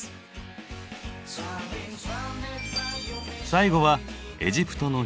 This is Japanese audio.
最後はエジプトの棺。